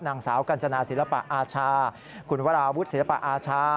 นางสาวกัญจนาศิลปะอาชาคุณวราวุฒิศิลปะอาชา